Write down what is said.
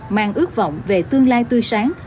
mang ước vọng về tương lai tươi sáng